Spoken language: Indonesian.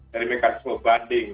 dari mekanisme banding